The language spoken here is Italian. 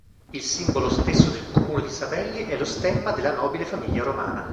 Il simbolo stesso del comune di Savelli è lo stemma della nobile famiglia romana.